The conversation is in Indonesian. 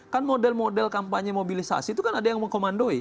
kan model model kampanye mobilisasi itu kan ada yang mengkomandoi